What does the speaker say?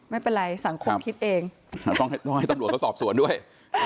ไม่เป็นไรสังคมคิดเองต้องให้ตำรวจเขาสอบสวนด้วย